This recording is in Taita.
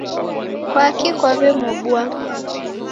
Kwaki kwawemuobua